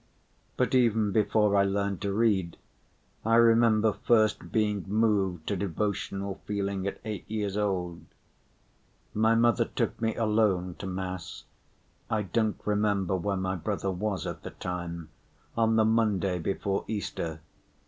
But even before I learned to read, I remember first being moved to devotional feeling at eight years old. My mother took me alone to mass (I don't remember where my brother was at the time) on the Monday before Easter.